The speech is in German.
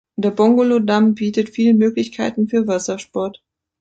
Der Bongolo-Damm bietet viele Möglichkeiten für Wassersport.